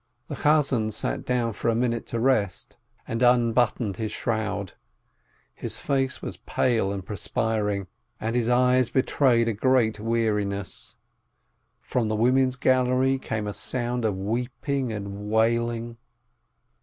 The cantor sat down for a minute to rest, and unbuttoned his shroud. His face was pale and perspiring, and his eyes betrayed a great weariness. From the women's gallery came a sound of weeping and wailing.